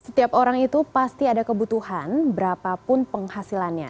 setiap orang itu pasti ada kebutuhan berapapun penghasilannya